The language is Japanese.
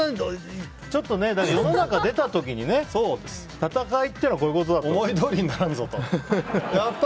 だから、世の中出た時にね戦いっていうのはこういうことだと。思いどおりにならんぞと。